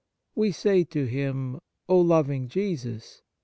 We say to Him :" O loving Jesus